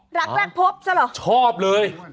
หลักแรกพบซะเหรอชอบเลย